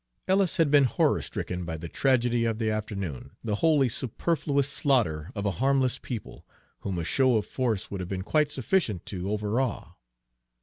Ellis had been horror stricken by the tragedy of the afternoon, the wholly superfluous slaughter of a harmless people, whom a show of force would have been quite sufficient to overawe.